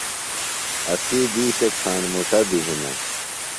اسی دِیشہ ڇھاݨ مُٹہ بیۡ ہِنہ۔